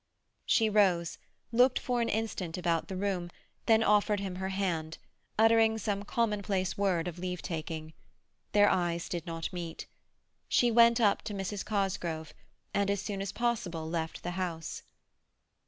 She rose, looked for an instant about the room, then offered him her hand, uttering some commonplace word of leave taking. Their eyes did not meet. She went up to Mrs. Cosgrove, and as soon as possible left the house.